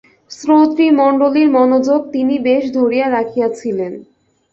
শ্রোতৃমণ্ডলীর মনোযোগ তিনি বেশ ধরিয়া রাখিয়াছিলেন।